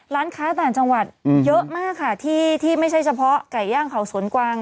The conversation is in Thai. ร้านค้าต่างจังหวัดเยอะมากค่ะที่ไม่ใช่เฉพาะไก่ย่างเขาสวนกวาง